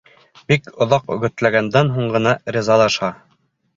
Бик оҙаҡ өгөтләгәндән һуң ғына ризалаша.